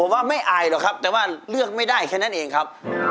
ว่าไม่อายหรอกครับแต่ว่าเลือกไม่ได้แค่นั้นเองครับ